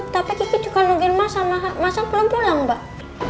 tapi kiki juga nungguin mas sama mas al belum pulang mbak